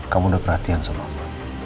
kamu udah perhatian sama allah